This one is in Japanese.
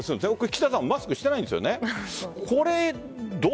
岸田さんはマスクをしていないんですよね。